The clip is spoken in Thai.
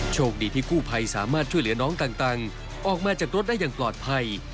โชคดีที่กู้ภัยสามารถช่วยเหลือน้องต่างออกมาจากรถได้อย่างปลอดภัย